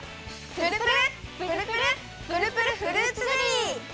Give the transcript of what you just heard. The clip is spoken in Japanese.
プルプルプルプルプルプルフルーツゼリー。